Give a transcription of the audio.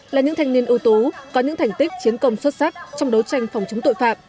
là những thanh niên ưu tú có những thành tích chiến công xuất sắc trong đấu tranh phòng chống tội phạm